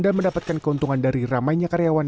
dan mendapatkan keuntungan dari ramainya karyawan